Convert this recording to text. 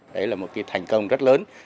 đấy là một cái thành công rất lớn